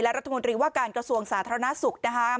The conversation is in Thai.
รัฐมนตรีว่าการกระทรวงสาธารณสุขนะคะ